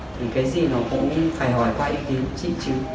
thì cái gì nó cũng phải hỏi qua ý kiến chị chứ